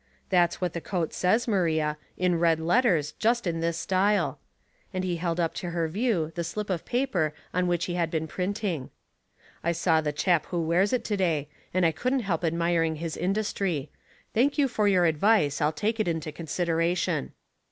" That's what the coat says, Maria — in red letters, just in this style," and he held up to her view the slip of paper on which he had been printing. "I saw the chap who wears it to day, and I couldn't help admiring his industry. Thank you for your advice, I'll take it into considera tion."